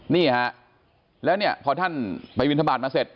นี่ฮะแล้วเนี่ยพอท่านไปบินทบาทมาเสร็จ